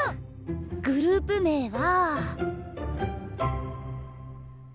グループ名は。